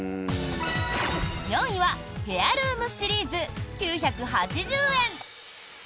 ４位は、ヘヤルームシリーズ９８０円。